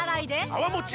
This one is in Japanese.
泡もち